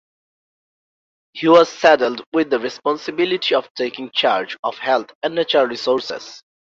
He was saddled with the responsibility of taking charge of Health and Natural Resources.